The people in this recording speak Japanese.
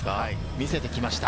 見せてきました。